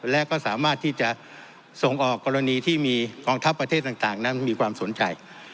และก็สามารถที่จะส่งออกกรณีที่มีกองทัพประเทศต่างนั้นมีความสนใจ